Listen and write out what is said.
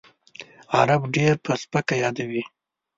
عرب ډېر په سپکه یادوي.